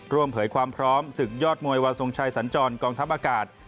เผยความพร้อมศึกยอดมวยวาทรงชัยสัญจรกองทัพอากาศ